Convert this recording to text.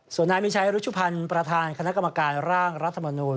ส่วนนายมิชัยรุชุพันธ์ประธานคณะกรรมการร่างรัฐมนูล